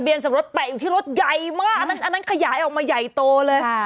สมรสแปะอยู่ที่รถใหญ่มากอันนั้นขยายออกมาใหญ่โตเลย